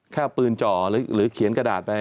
แคบปืนเจาะหรือเขียนกระดาษไป